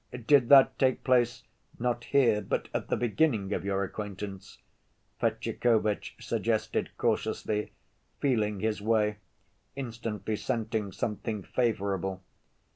"Did that take place not here, but at the beginning of your acquaintance?" Fetyukovitch suggested cautiously, feeling his way, instantly scenting something favorable.